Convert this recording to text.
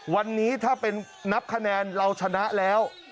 วันนี้ถ้าเป็นนับคะแนนเราชนะแล้ว